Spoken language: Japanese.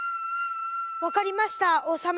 わかりました王様。